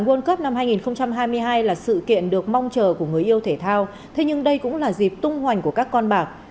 world cup năm hai nghìn hai mươi hai là sự kiện được mong chờ của người yêu thể thao thế nhưng đây cũng là dịp tung hoành của các con bạc